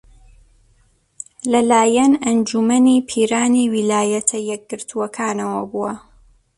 لەلایەن ئەنجوومەنی پیرانی ویلایەتە یەکگرتووەکانەوە بووە